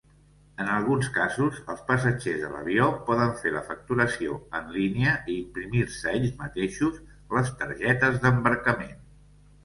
En alguns casos, els passatgers de l'avió poden fer la facturació en línia i imprimir-se ells mateixos les targetes d'embarcament.